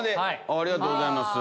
ありがとうございます。